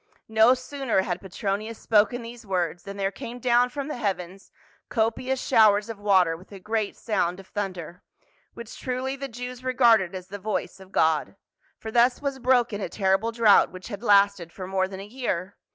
No sooner had Petronius spoken these words, than there came down from the heavens copious showers of water with a great sound of thunder ; which truly the Jews regarded as the voice of God, for thus was broken a terrible drought v/hich had lasted for more than a year.